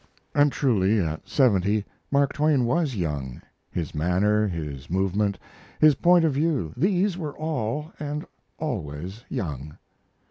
And truly, at seventy, Mark Twain was young, his manner, his movement, his point of view these were all, and always, young.